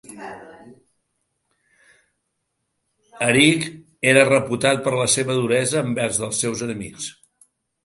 Eric era reputat per la seva duresa envers els seus enemics.